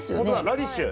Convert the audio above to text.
ラディッシュ。